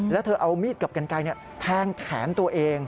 แล้วเธอเอามีดกับกันไกลแทงแขนตัวเอง